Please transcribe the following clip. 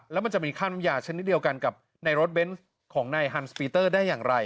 แล้วมันจะมีค่าน้ำยาชนิดเดียวกันกับในรถเบนส์ของนายฮันสปีเตอร์ได้อย่างไร